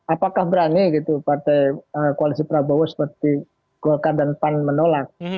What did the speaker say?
apakah berani gitu partai koalisi prabowo seperti golkar dan pan menolak